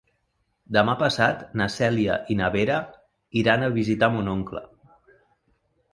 Demà passat na Cèlia i na Vera iran a visitar mon oncle.